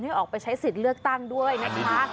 ออกไปใช้สิทธิ์เลือกตั้งด้วยนะคะ